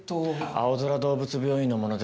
あおぞら動物病院の者です。